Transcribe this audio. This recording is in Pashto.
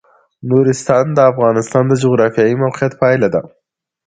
نورستان د افغانستان د جغرافیایي موقیعت پایله ده.